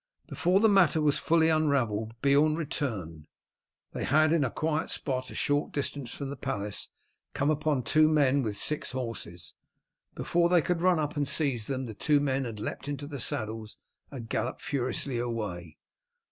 Before the matter was fully unravelled Beorn returned. They had in a quiet spot a short distance from the palace come upon two men with six horses. Before they could run up and seize them the two men had leapt up into the saddles and galloped furiously away.